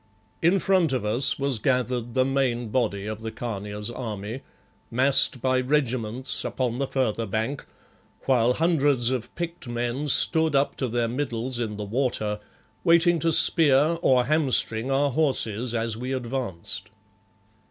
In front of us was gathered the main body of the Khania's army, massed by regiments upon the further bank, while hundreds of picked men stood up to their middles in the water, waiting to spear or hamstring our horses as we advanced.